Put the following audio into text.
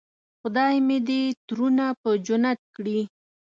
خدای مې دې ترونه په جنت کړي.